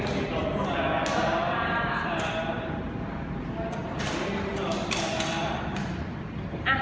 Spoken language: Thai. ด้วยค่ะขอบคุณทุกคนหน่อยบ้าง